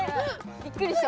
びっくりした。